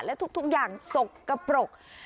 และทุกอย่างสกปรก